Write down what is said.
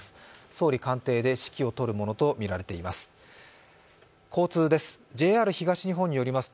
総理官邸で指揮を執るものとみられています。